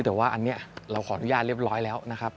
แต่ว่าอันนี้เราขออนุญาตเรียบร้อยแล้วนะครับ